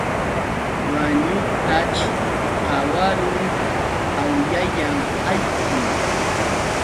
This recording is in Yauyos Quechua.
Wañuqtaćh qawarun, awllayan allqu.